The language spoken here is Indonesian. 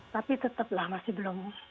tapi tetap lah masih belum